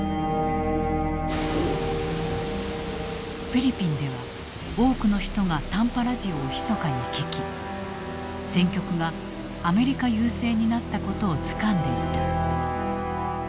フィリピンでは多くの人が短波ラジオをひそかに聞き戦局がアメリカ優勢になったことをつかんでいた。